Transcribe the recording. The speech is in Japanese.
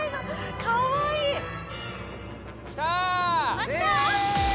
あっきた？